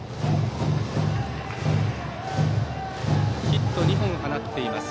ヒット２本放っています